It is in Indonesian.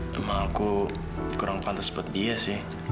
memang aku kurang pantas buat dia sih